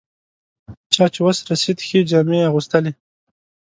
چا چې وس رسېد ښې جامې یې اغوستلې.